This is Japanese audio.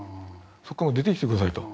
そこから出てきて下さいと。